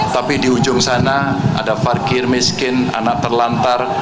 tapi di ujung sana ada farkir miskin anak terlantar